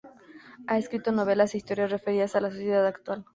Ha escrito novelas e historias referidas a la sociedad actual.